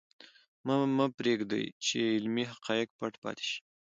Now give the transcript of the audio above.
مه پرېږدئ چې علمي حقایق پټ پاتې شي.